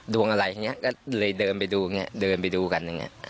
ดวงอะไรอย่างนี้ก็เลยเดินไปดูอย่างนี้เดินไปดูกันอย่างนี้